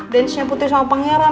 dancenya putih sama pangeran